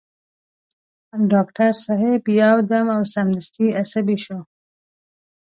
ډاکټر صاحب يو دم او سمدستي عصبي شو.